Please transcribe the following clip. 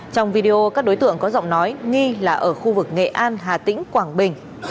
trong video các đối tượng có giọng nói nghi là ở khu vực nghệ an hà tĩnh quảng bình